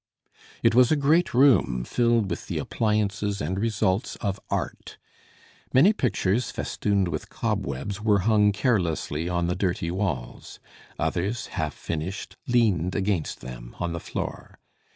It was a great room, filled with the appliances and results of art. Many pictures, festooned with cobwebs, were hung carelessly on the dirty walls. Others, half finished, leaned against them, on the floor.